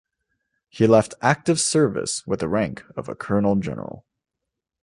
He left active service with the rank of a Colonel General.